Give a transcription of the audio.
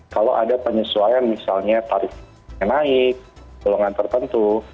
kalau ada penyesuaian misalnya tarif yang naik dorongan tertentu